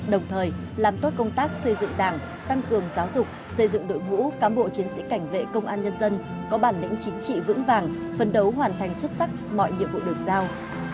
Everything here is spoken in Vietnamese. đồng thời làm tốt công tác xây dựng đảng tăng cường giáo dục xây dựng đội ngũ cán bộ chiến sĩ cảnh vệ công an nhân dân có bản lĩnh chính trị vững vàng phân đấu hoàn thành xuất sắc mọi nhiệm vụ được giao